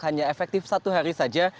hanya efektif satu hari saja